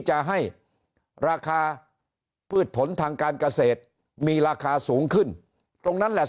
จะให้ราคาพืชผลทางการเกษตรมีราคาสูงขึ้นตรงนั้นแหละ